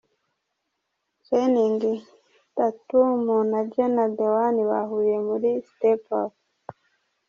Channing Tatum na Jenna Dewan bahuriye muri Step Up.